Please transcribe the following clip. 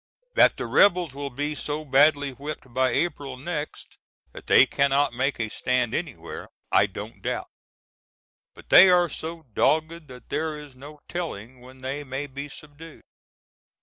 That the rebels will be so badly whipped by April next that they cannot make a stand anywhere, I don't doubt. But they are so dogged that there is no telling when they may be subdued.